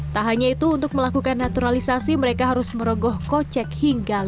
tak hanya itu untuk melakukan naturalisasi mereka harus merogoh kocek hingga lima puluh